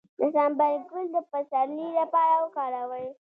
د سنبل ګل د پسرلي لپاره وکاروئ